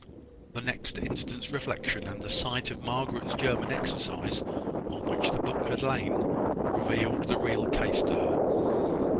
The next instant's reflection, and the sight of Margaret's German exercise, on which the book had lain, revealed the real case to her.